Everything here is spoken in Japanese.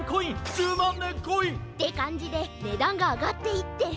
１０まんねんコイン！ってかんじでねだんがあがっていって。